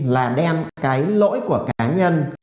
là đem cái lỗi của cá nhân